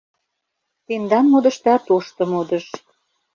Тендан модышда — тошто модыш.